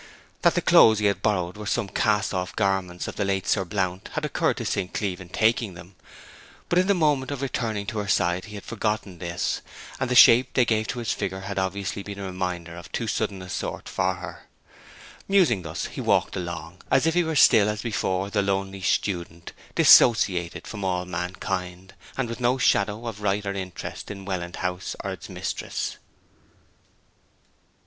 That the clothes he had borrowed were some cast off garments of the late Sir Blount had occurred to St. Cleeve in taking them; but in the moment of returning to her side he had forgotten this, and the shape they gave to his figure had obviously been a reminder of too sudden a sort for her. Musing thus he walked along as if he were still, as before, the lonely student, dissociated from all mankind, and with no shadow of right or interest in Welland House or its mistress.